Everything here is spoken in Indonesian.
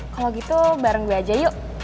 kalau gitu bareng gue aja yuk